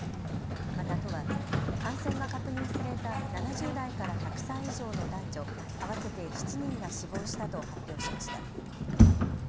また都は感染が確認された７０代から１００歳以上の男女合わせて７人が死亡したと発表しました。